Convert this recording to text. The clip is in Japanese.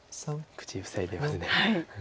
口ふさいでますね。